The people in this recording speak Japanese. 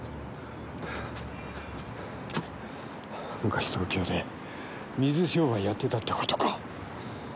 昔東京で水商売やってたって事か。